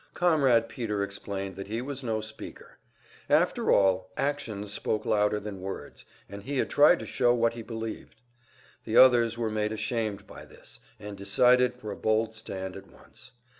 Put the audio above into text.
Comrade Peter explained that he was no speaker; after all, actions spoke louder than words, and he had tried to show what he believed. The others were made ashamed by this, and decided for a bold stand at once.